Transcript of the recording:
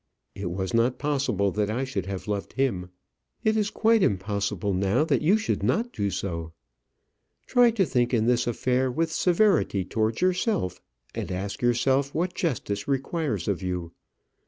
It was not possible that I should have loved him. It is quite impossible now that you should not do so. Try to think in this affair with severity towards yourself, and ask yourself what justice requires of you.